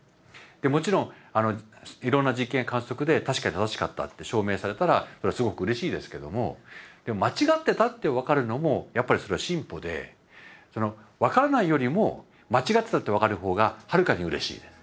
もちろんいろんな実験観測で確かに正しかったって証明されたらこれはすごくうれしいですけども間違ってたって分かるのもやっぱりそれは進歩で分からないよりも間違ってたって分かる方がはるかにうれしいです。